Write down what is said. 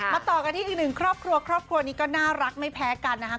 ต่อกันที่อีกหนึ่งครอบครัวครอบครัวนี้ก็น่ารักไม่แพ้กันนะครับ